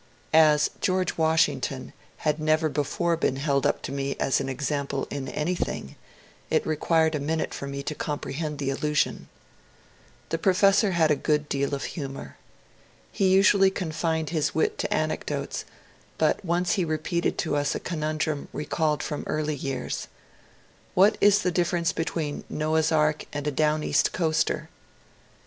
As George Washington had never before been held up to me as an example in anything, it required a minute for me to comprcfhend the allusion. The professor had a good DR. NOTES 166 deal of humour. He usually confined his wit to anecdotes, but once he repeated to us a conundrum recalled from early years :*' What is the difference between Noah's Ark and a down east coaster?